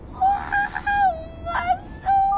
うまそう。